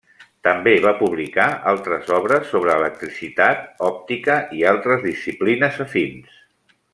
També va publicar altres obres sobre electricitat, òptica i altres disciplines afins.